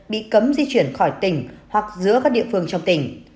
bị cấm di chuyển khỏi tỉnh hoặc giữa các địa phương trong tỉnh